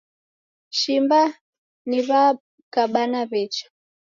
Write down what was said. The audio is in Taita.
Shimba ni wakabana wecha .